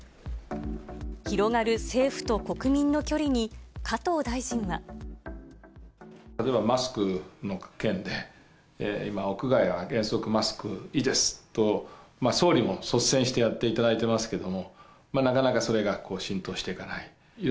広がる政府と国民の距離に、加藤大臣は。例えばマスクの件で、今、屋外は原則、マスクいいですと、総理も率先してやっていただいてますけども、なかなかそれが浸透していかない。